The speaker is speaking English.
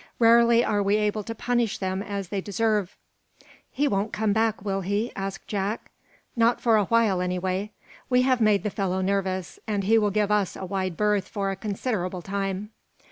Rarely are we able to punish them as they deserve." "He won't come back, will he?" asked Jack. "Not for a while, anyway. We have made the fellow nervous, and he will give us a wide berth for a considerable time."